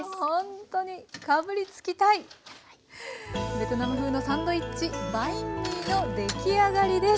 ベトナム風のサンドイッチバインミーの出来上がりです。